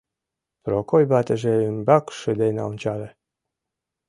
Прокой ватыже ӱмбак шыдын ончале: